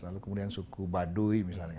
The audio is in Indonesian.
lalu kemudian suku baduy misalnya